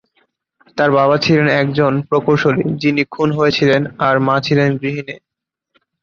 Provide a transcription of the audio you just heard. তার বাবা ছিলেন একজন প্রকৌশলী, যিনি খুন হয়েছিলেন, আর মা ছিলেন গৃহিণী।